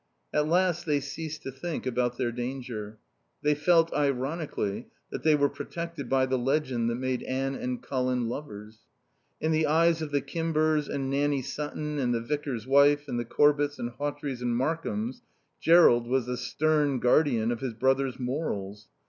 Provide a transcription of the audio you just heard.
At last they ceased to think about their danger. They felt, ironically, that they were protected by the legend that made Anne and Colin lovers. In the eyes of the Kimbers and Nanny Sutton and the vicar's wife, and the Corbetts and Hawtreys and Markhams, Jerrold was the stern guardian of his brother's morals.